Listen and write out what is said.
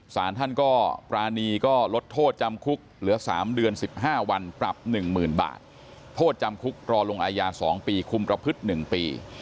สารท่านก็ปรานีก็ลดโทษจำคุกเหลือ๓เดือน๑๕วันปรับ๑๐๐๐บาทโทษจำคุกรอลงอายา๒ปีคุมประพฤติ๑ปี